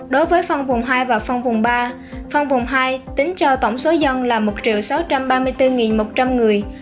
đối với phong vùng hai và phong vùng ba phong vùng hai tính cho tổng số dân là một sáu trăm ba mươi bốn một trăm linh người